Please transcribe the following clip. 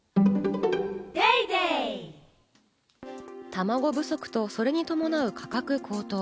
たまご不足と、それに伴う価格高騰。